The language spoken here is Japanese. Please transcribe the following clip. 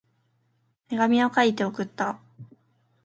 手紙を書いて送った。